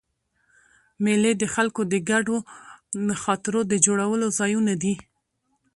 مېلې د خلکو د ګډو خاطرو د جوړولو ځایونه دي.